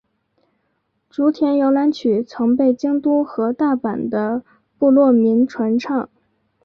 竹田摇篮曲曾被京都和大阪的部落民传唱。